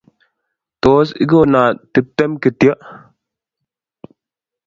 Tos, igono tuptem kityo?